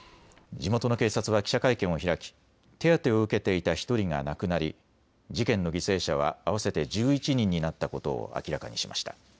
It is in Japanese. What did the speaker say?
地元の警察は記者会見を開き手当てを受けていた１人が亡くなり事件の犠牲者は合わせて１１人になったことを明らかにしました。